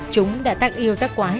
chúng đã tắc yêu tắc quái